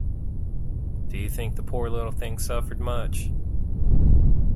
Do you think the poor little thing suffered much?